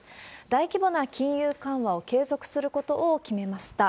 大規模な金融緩和を継続することを決めました。